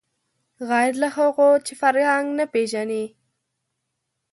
غیر له هغو چې فرهنګ نه پېژني